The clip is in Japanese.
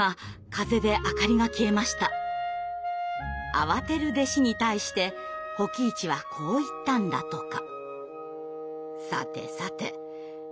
慌てる弟子に対して保己一はこう言ったんだとか。